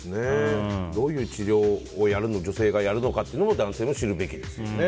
どういう治療を女性がやるのか男性も知るべきですよね。